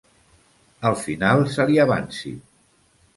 Al final se li avanci.